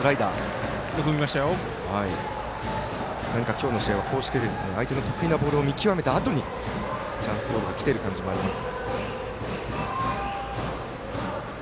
今日の試合は相手の得意なボールを見極めたあとにチャンスボールがきている感じがあります。